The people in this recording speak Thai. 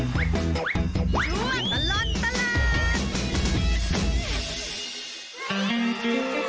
ช่วงปลอดภัณฑ์